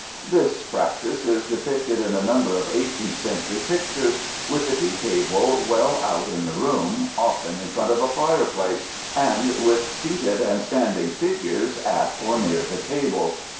" This practice is depicted in a number of 18th century pictures, with the tea table well out in the room, often in front of a fireplace, and with seated and standing figures at or near the table (fig.